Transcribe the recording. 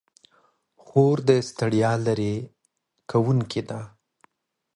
خور د ستړیا لیرې کوونکې ده.